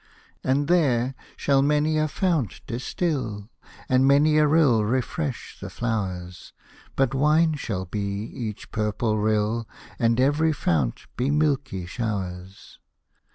And there shall many a fount distil, And many a rill refresh the flowers ; But wine shall be each purple rill, x\nd every fount be milky showers.